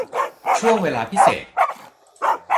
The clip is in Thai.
ช่วงเวลาพิเศษ